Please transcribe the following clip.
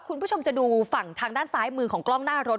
คุณผู้ชมจะดูฝั่งทางด้านซ้ายมือของกล้องหน้ารถ